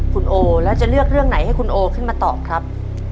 คุณโอแล้วจะเลือกเรื่องไหนให้คุณโอขึ้นมาตอบครับ